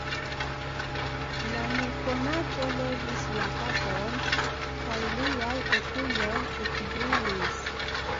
La nekonato levis la kapon, kaj liaj okuloj ekbrilis.